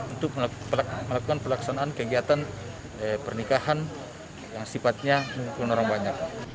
untuk melakukan pelaksanaan kegiatan pernikahan yang sifatnya memukul orang banyak